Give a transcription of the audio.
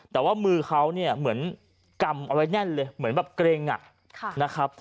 แต่ว่ามือเขาเนี่ยเหมือนกำเอาไว้แน่นเลยเหมือนแบบเกร็งนะครับ